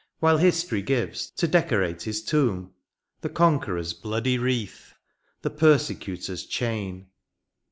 While history gives, to decorate his tomb. The conqueror's bloody wreath, the persecutor's chain.